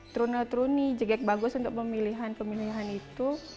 trunel truni jegek bagus untuk pemilihan pemilihan itu